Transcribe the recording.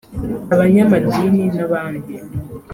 abanyamadini n’abandi